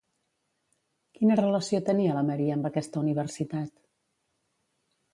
Quina relació tenia la María amb aquesta universitat?